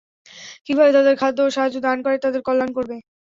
কিভাবে তাদের খাদ্য ও সাহায্য দান করে, তাদের কল্যাণ করবে?